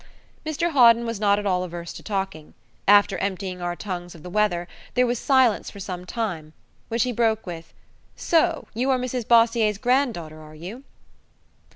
Mr Hawden was not at all averse to talking. After emptying our tongues of the weather, there was silence for some time, which he broke with, "So you are Mrs Bossier's grand daughter, are you?"